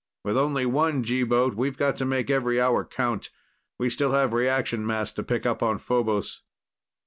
With only one G boat, we've got to make every hour count. We still have reaction mass to pick up on Phobos."